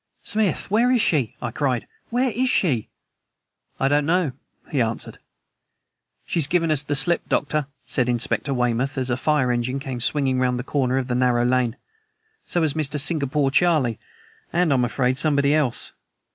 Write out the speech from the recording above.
"Smith, where is she?" I cried. "Where is she?" "I don't know," he answered. "She's given us the slip, Doctor," said Inspector Weymouth, as a fire engine came swinging round the corner of the narrow lane. "So has Mr. Singapore Charlie and, I'm afraid, somebody else.